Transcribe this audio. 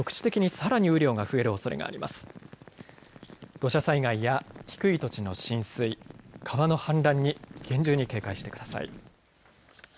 土砂災害や低い土地の浸水、川の氾濫に厳重に警戒してください。